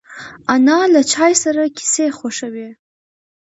انا له چای سره کیسې خوښوي